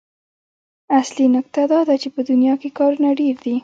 اصلي نکته دا ده چې په دنيا کې کارونه ډېر دي.